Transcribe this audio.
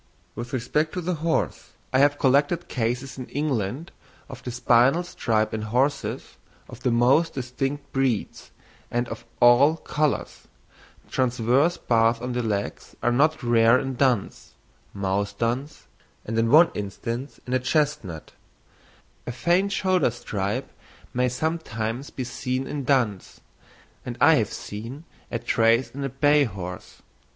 With respect to the horse, I have collected cases in England of the spinal stripe in horses of the most distinct breeds, and of all colours; transverse bars on the legs are not rare in duns, mouse duns, and in one instance in a chestnut; a faint shoulder stripe may sometimes be seen in duns, and I have seen a trace in a bay horse.